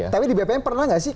tapi di bpn pernah nggak sih